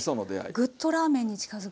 グッとラーメンに近づく。